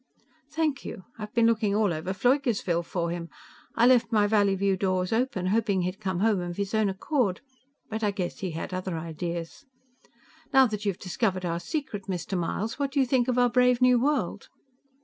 "Thank you. I've been looking all over Pfleugersville for him. I left my Valleyview doors open, hoping he'd come home of his own accord, but I guess he had other ideas. Now that you've discovered our secret, Mr. Myles, what do you think of our brave new world?"